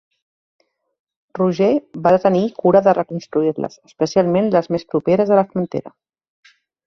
Roger va tenir cura de reconstruir-les, especialment les més properes a la frontera.